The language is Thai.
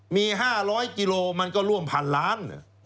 มี๕๐๐กิโลมันก็ร่วมพันล้าน